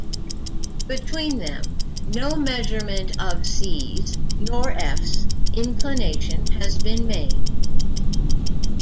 Between them, no measurement of c's nor f's inclination has been made.